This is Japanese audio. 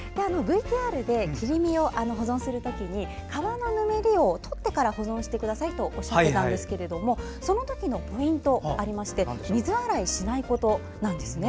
ＶＴＲで、切り身を保存するとき皮のぬめりを取ってから保存してくださいとおっしゃっていましたがそのときのポイントは水洗いしないことだそうです。